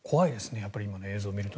やっぱり今の映像を見ると。